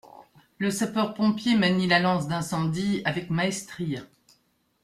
Le sapeur-pompier manie la lance d’incendie avec maestria.